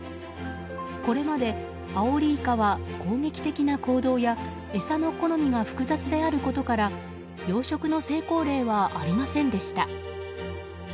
これまでアオリイカは攻撃的な行動や餌の好みが複雑であることから養殖の成功例はありませんでした。